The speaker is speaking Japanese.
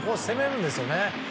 攻めるんですよね。